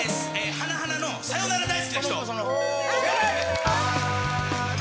＊花の「さよなら大好きな人」